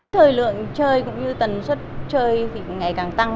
thời lượng chơi cũng như tần suất chơi thì ngày càng tăng